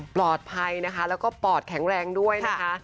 ปลอดภัยนะคะแล้วก็ปอดแข็งแรงด้วยนะคะ